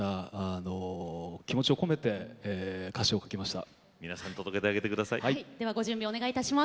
気持ちを込めて歌詞を書きました。